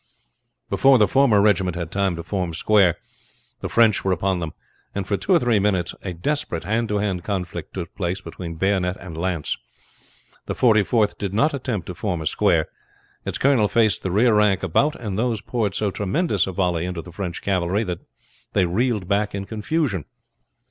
Before the former regiment had time to form square the French were upon them, and for two or three minutes a desperate hand to hand conflict took place between bayonet and lance. The Forty fourth did not attempt to form a square. Its colonel faced the rear rank about, and these poured so tremendous a volley into the French cavalry that they reeled back in confusion.